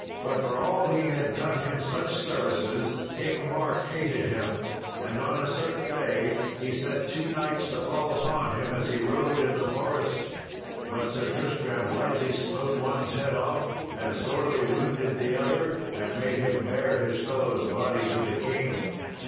But for all he had done him such services King Mark hated him, and on a certain day he set two knights to fall upon him as he rode in the forest. But Sir Tristram lightly smote one's head off, and sorely wounded the other, and made him bear his fellow's body to the king.